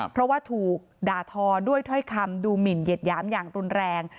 เพราะว่าถูกด่าทอด้วยถ้อยคำดูหมินเหยียดหยามอย่างรุนแรง